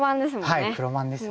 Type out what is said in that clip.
はい黒番ですね。